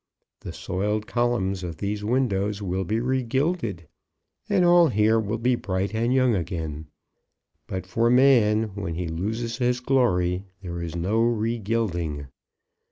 The soiled columns of these windows will be regilded, and all here will be bright and young again; but for man, when he loses his glory, there is no regilding.